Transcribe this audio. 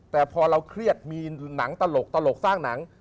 แต่พอเราเครียดมีหนังตลกสร้างหนัง